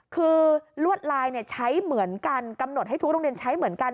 คือลวดลายใช้เหมือนกันกำหนดให้ทุกโรงเรียนใช้เหมือนกัน